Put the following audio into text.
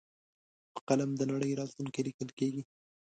په قلم د نړۍ راتلونکی لیکل کېږي.